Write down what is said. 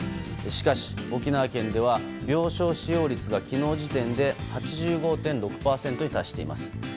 しかし、沖縄県では病床使用率が昨日時点で８５．６％に達しています。